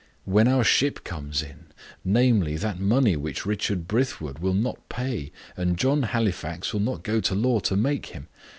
"When our ship comes in namely, that money which Richard Brithwood will not pay, and John Halifax will not go to law to make him.